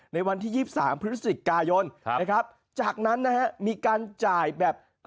ในวันที่๒๓พฤศิษฐิกายนจากนั้นนะครับมีการจ่ายแบบ